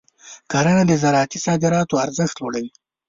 کرنه د زراعتي صادراتو ارزښت لوړوي.